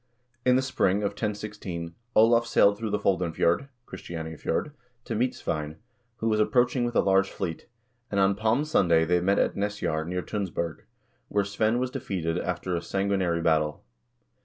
In the spring of 1016 Olav sailed through the Foldenfjord (Christianiafjord) to meet Svein, who was approaching with a large fleet, and on Palm Sunday they met at Nesjar, near Tunsberg, where Svein was defeated after a sangui nary battle.